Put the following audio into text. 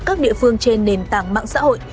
các địa phương trên nền tảng mạng xã hội